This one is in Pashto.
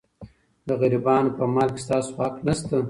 د غریبانو په مال کې ستاسو حق نشته.